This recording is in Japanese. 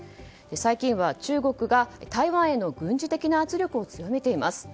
最近は中国が台湾への軍事的圧力を強めています。